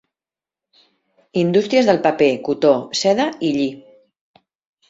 Indústries del paper, cotó, seda i lli.